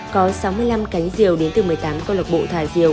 có sáu mươi năm cánh diều đến từ một mươi tám con lọc bộ thả diều